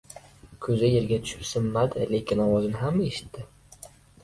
• Ko‘za yerga tushib sinmadi, lekin ovozini hamma eshitdi.